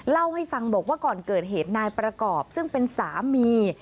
เล่าให้ฟังบอกว่าก่อนเกิดเหตุนายประกอบซึ่งเป็นสามี